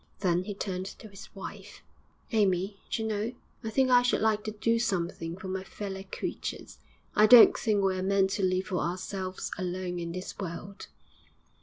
Then he turned to his wife. 'Amy, d'you know, I think I should like to do something for my feller creatures. I don't think we're meant to live for ourselves alone in this world.'